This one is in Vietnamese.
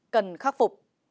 cần khắc phục